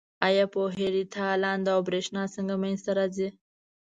آیا پوهیږئ تالنده او برېښنا څنګه منځ ته راځي؟